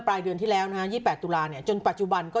ปลายเดือนที่แล้วนะฮะยี่สิบแปดตุราเนี้ยจนปัจจุบันก็